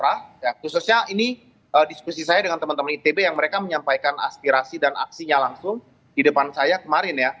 khususnya ini diskusi saya dengan teman teman itb yang mereka menyampaikan aspirasi dan aksinya langsung di depan saya kemarin ya